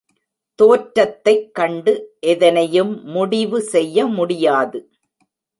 தோற்றத்தைக் கண்டு எதனையும் முடிவு செய்ய முடியாது.